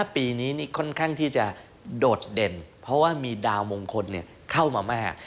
ปีนี้ค่อนข้างที่จะโดดเด่นเพราะว่ามีดาวมงคลเข้ามามาก